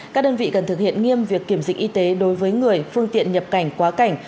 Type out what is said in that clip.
các đơn vị cần thực hiện nghiêm việc kiểm dịch y tế đối với người phương tiện nhập cảnh quá cảnh